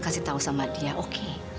kasih tahu sama dia oke